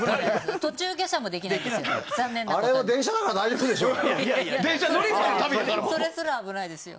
途中下車もできないですよ。